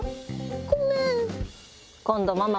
ごめん。